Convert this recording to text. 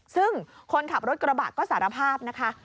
ซึ่งคนขับรถกระบะก็สารภาพนะคะ